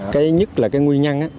cái nhất là cái nguyên nhân